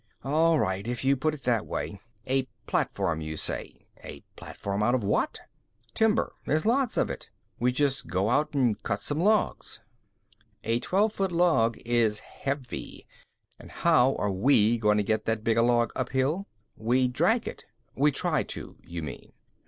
"All right, if you put it that way. A platform, you say. A platform out of what?" "Timber. There's lot of it. We just go out and cut some logs." "A twelve foot log is heavy. And how are we going to get that big a log uphill?" "We drag it." "We try to, you mean."